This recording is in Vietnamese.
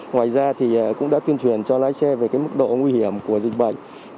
ngoài ra thì cũng đã tuyên truyền cho lái xe về mức độ nguy hiểm của dịch bệnh